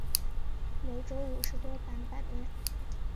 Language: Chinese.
每周五十多版版面。